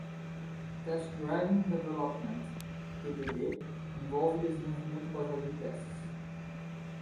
Test-Driven Development (TDD) envolve desenvolvimento baseado em testes.